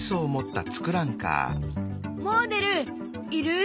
もおでるいる？